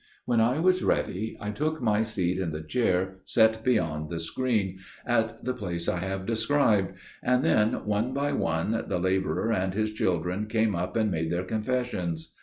"When I was ready I took my seat in the chair set beyond the screen, at the place I have described; and then, one by one, the labourer and his children came up and made their confessions.